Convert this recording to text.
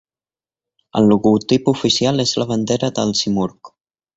El logotip oficial és la bandera del simurgh.